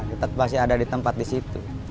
kita pasti ada di tempat di situ